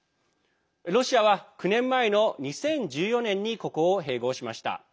ロシアは９年前の２０１４年にここを併合しました。